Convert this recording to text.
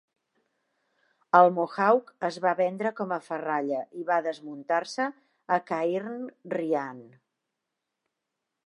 El "Mohawk" es va vendre com a ferralla i va desmuntar-se a Cairnryan.